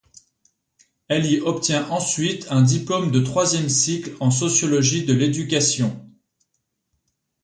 Elle y obtient ensuite un diplôme de troisième cycle en sociologie de l'éducation.